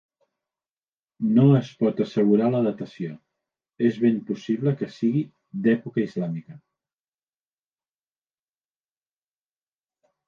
No es pot assegurar la datació; és ben possible que siguin d'època islàmica.